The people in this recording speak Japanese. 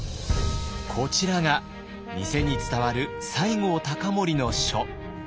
こちらが店に伝わる西郷隆盛の書。